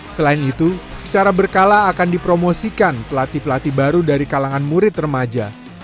selain itu secara berkala akan dipromosikan pelatih pelatih baru dari kalangan murid remaja